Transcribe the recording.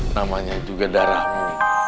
namanya juga darahmu